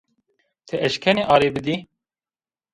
Ti eşkenî arê bidê